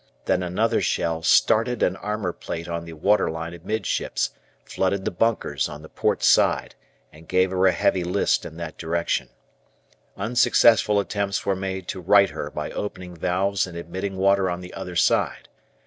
Then another shell started an armour plate on the water line amidships, flooded the bunkers on the port side, and gave her a heavy list in that direction. Unsuccessful attempts were made to right her by opening valves and admitting water on the other side.